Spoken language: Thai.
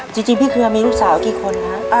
จริงพี่เครือมีลูกสาวกี่คนฮะ